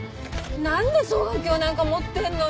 なんで双眼鏡なんか持ってるのよ？